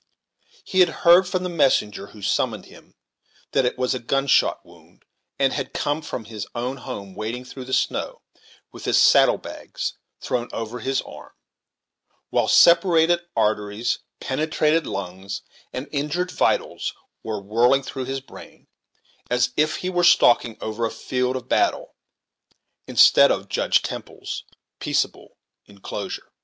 He had heard from the messenger who summoned him, that it was a gun shot wound, and had come from his own home, wading through the snow, with his saddle bags thrown over his arm, while separated arteries, penetrated lungs, and injured vitals were whirling through his brain, as if he were stalking over a field of battle, instead of Judge Temple's peaceable in closure.